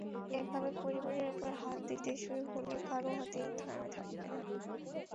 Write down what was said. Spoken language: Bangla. এভাবে পরিবারের ওপর হাত দিতে শুরু করলে কারও হাতই থেমে থাকবে না।